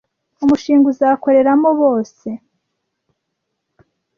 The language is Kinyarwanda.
umushinga uzakoreramo bose,